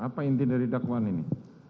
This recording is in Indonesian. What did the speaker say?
apa inti dari dakwaan ini